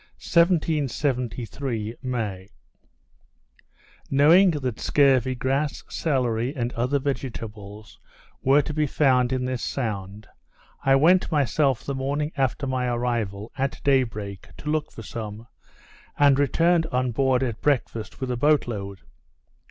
_ 1773 May Knowing that scurvy grass, celery, and other vegetables, were to be found in this sound, I went myself the morning after my arrival, at day break, to look for some, and returned on board at breakfast with a boat load.